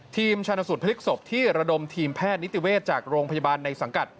ชาญสูตรพลิกศพที่ระดมทีมแพทย์นิติเวศจากโรงพยาบาลในสังกัด